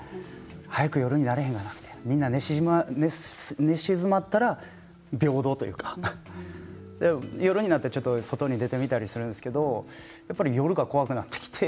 早く夜にならへんかなってみんな寝静まったら平等というか夜になって外に出てみたりするんですけれど夜は怖くなってきて